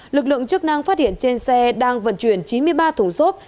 lực lượng chức năng phát hiện trên xe đang vận chuyển chín mươi ba thùng xốp